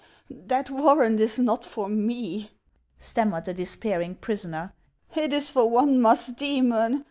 "That warrant is not for me," stammered the despairing prisoner ;" it is for one Musdcemon.